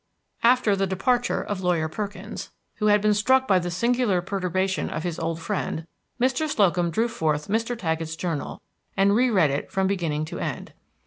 After the departure of Lawyer Perkins, who had been struck by the singular perturbation of his old friend, Mr. Slocum drew forth Mt. Taggett's journal, and re read it from beginning to end.